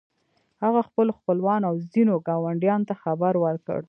هغه خپلو خپلوانو او ځينو ګاونډيانو ته خبر ورکړ.